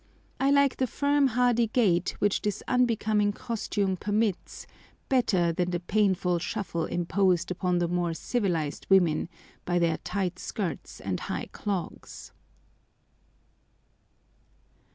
I like the firm hardy gait which this unbecoming costume permits better than the painful shuffle imposed upon the more civilised women by their tight skirts and high clogs.